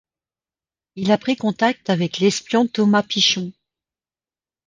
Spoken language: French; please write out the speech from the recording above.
Il a pris contact avec l'espion Thomas Pichon.